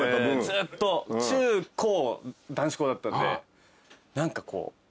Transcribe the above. ずっと中高男子校だったんで何かこうそうっすね。